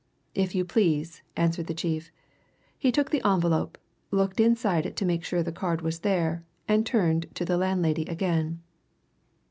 "If you please," answered the chief. He took the envelope, looked inside it to make sure that the card was there, and turned to the landlady again.